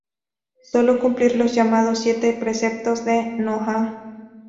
Sólo cumplir los llamados siete preceptos de Noah.